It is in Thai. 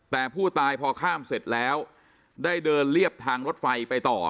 แต่ผู้ตายพอข้ามเสร็จแล้วได้เดินเรียบทางรถไฟไปต่อ